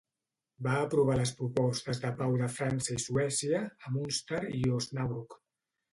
Va aprovar les propostes de pau de França i Suècia, a Münster i Osnabruck.